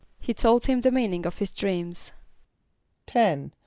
=He told him the meaning of his dreams.= =10.